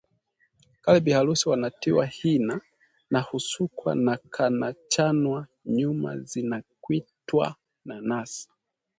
Kale bi harusi wanatiwa hina na husukwa na kwanachanwa nyuma zinakwitwa nanasi